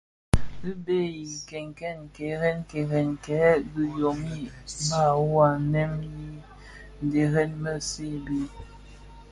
Bi byèè kèrèn kèrèn kè dhiyômi bas wua nneèn nyi dheresèn bhèd.